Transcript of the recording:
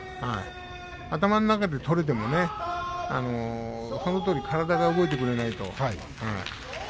頭の中で取れてもそのとおり体が動いてくれないと。